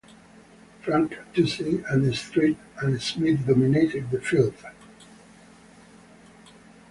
Frank Tousey and Street and Smith dominated the field.